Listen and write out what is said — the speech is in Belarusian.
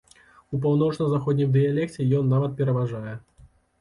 У паўночна-заходнім дыялекце ён нават пераважае.